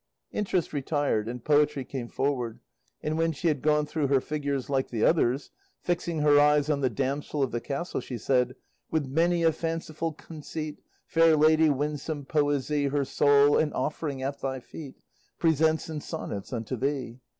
Interest retired, and Poetry came forward, and when she had gone through her figures like the others, fixing her eyes on the damsel of the castle, she said: With many a fanciful conceit, Fair Lady, winsome Poesy Her soul, an offering at thy feet, Presents in sonnets unto thee.